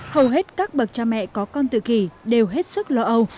hầu hết các bậc cha mẹ có con tự kỷ đều hết sức lo âu